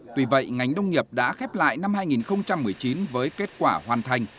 tuy vậy ngành nông nghiệp đã khép lại năm hai nghìn một mươi chín với kết quả hoàn thành